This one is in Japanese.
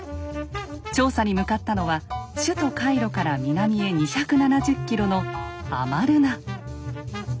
調査に向かったのは首都カイロから南へ２７０ｋｍのアマルナ。